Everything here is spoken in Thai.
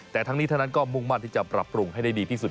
แต่ทั้งนี้ทั้งนั้นก็มุ่งมั่นที่จะปรับปรุงให้ได้ดีที่สุด